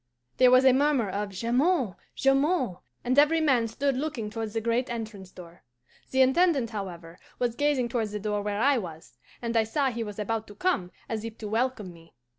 "There was a murmur of 'Jamond! Jamond!' and every man stood looking towards the great entrance door. The Intendant, however, was gazing towards the door where I was, and I saw he was about to come, as if to welcome me.